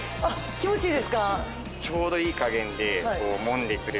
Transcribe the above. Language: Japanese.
気持ちいいですか？